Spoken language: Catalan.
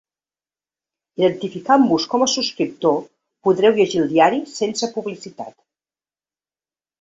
Identificant-vos com a subscriptor, podreu llegir el diari sense publicitat.